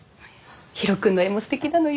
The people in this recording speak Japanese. ヒロ君の絵もすてきなのよ。